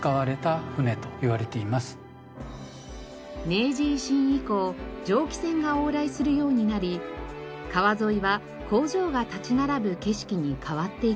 明治維新以降蒸気船が往来するようになり川沿いは工場が立ち並ぶ景色に変わっていきました。